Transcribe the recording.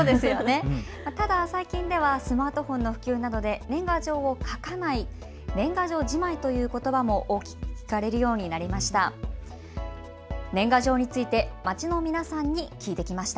ただ最近ではスマートフォンの普及などで年賀状を書かない、年賀状じまいということばも聞かれるようになりました。